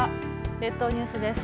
列島ニュースです。